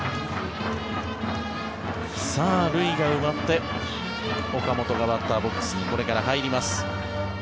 塁が埋まって岡本がバッターボックスにこれから入ります。